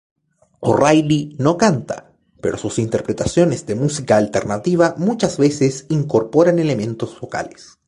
O´Riley no canta, pero sus interpretaciones de música alternativa muchas veces incorporan elementos vocales.